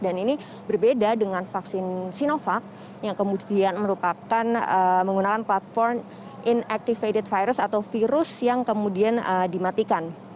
dan ini berbeda dengan vaksin sinovac yang kemudian merupakan menggunakan platform inactivated virus atau virus yang kemudian dimatikan